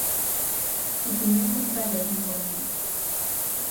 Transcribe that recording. Opinión contraria ten Podemos.